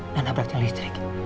dan ada praktek listrik